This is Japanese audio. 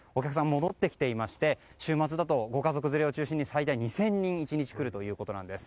戻ってきていまして週末だとご家族連れを中心に最大２０００人１日来るということなんです。